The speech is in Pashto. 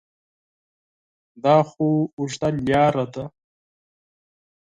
دا خو اوږده لاره ده ؟